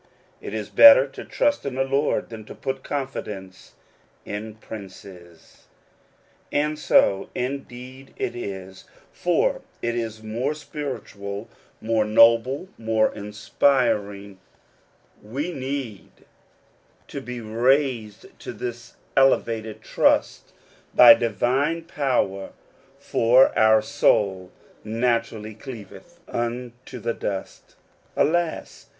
It is better to trust in the Lord than to put confidence in princes. And so, indeed, it is ; for it is more spiritual, more noble, more inspiring. $6 According to tne Promise. We need to be raised to this elevated trust by divin power : for our soul naturally cleaveth unto the dust. Alas!